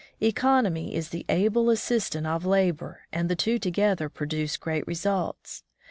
Economy is the able assistant of labor, and the two together produce great results.